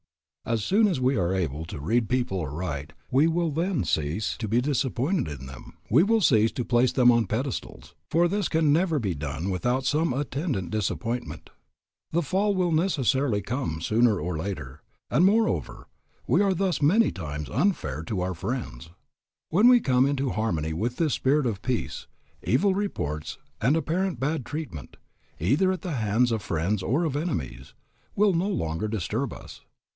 As soon as we are able to read people aright we will then cease to be disappointed in them, we will cease to place them on pedestals, for this can never be done without some attendant disappointment. The fall will necessarily come, sooner or later, and moreover, we are thus many times unfair to our friends. When we come into harmony with this Spirit of Peace, evil reports and apparent bad treatment, either at the hands of friends or of enemies, will no longer disturb us.